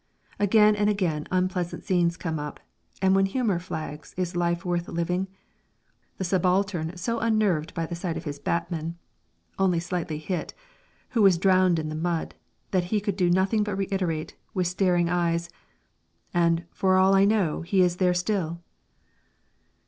Again and again unpleasant scenes come up (and when humour flags is life worth living?). The subaltern so unnerved by the sight of his batman (only slightly hit) who was drowned in the mud, that he could do nothing but reiterate, with staring eyes, "And, for all I know, he is there still."